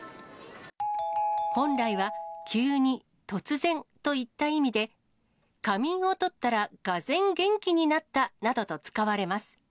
本来は急に、突然といった意味で、仮眠をとったらがぜん元気になったなどと使われます。